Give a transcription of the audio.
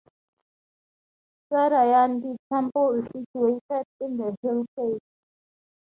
Sadayandi Temple is situated in the hill caves.